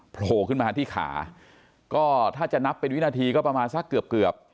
โผล่ขึ้นมาที่ขาก็ถ้าจะนับเป็นวินาทีก็ประมาณสักเกือบเกือบ